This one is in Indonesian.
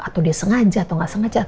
atau dia sengaja atau nggak sengaja